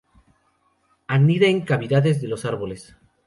Anida en cavidades de los árboles.